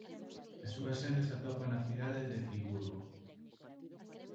A súa sede se atopa na cidade de Friburgo.